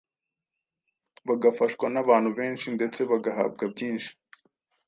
bagafashwa n’abantu benshi ndetse bagahabwa byinshi